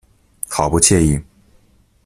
好不惬意